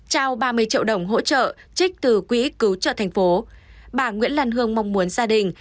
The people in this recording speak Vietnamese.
trao ba mươi triệu đồng hỗ trợ trích từ quỹ cứu trợ thành phố bà nguyễn lan hương mong muốn gia đình